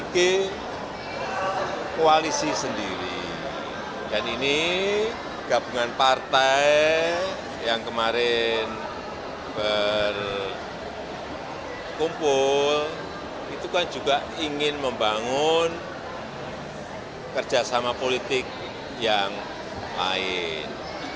kumpul itu kan juga ingin membangun kerjasama politik yang lain